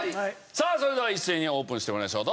さあそれでは一斉にオープンしてもらいましょう。